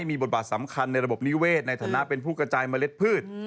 มีบทบาทสำคัญในระบบนิเวศในฐานะเป็นผู้กระจายเมล็ดพืช